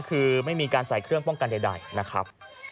คือไม่มีการใส่เครื่องป้องกันใดนะครับ